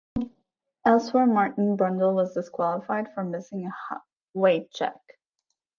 Elsewhere Martin Brundle was disqualified for missing a weight check.